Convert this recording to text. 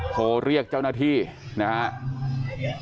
โทรเรียกเจ้าหน้าที่นะครับ